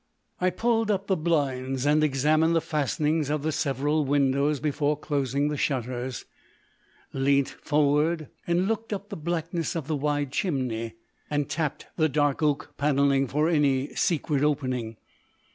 I pulled up the blinds and examined the fastenings of the several windows before closing the shutters, leant forward and looked up the blackness of the wide chimney, and tapped the dark oak panelling for any secret opening.